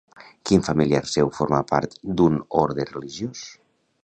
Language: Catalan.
Quin familiar seu forma part d'un orde religiós?